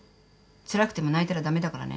つらくても泣いたら駄目だからね。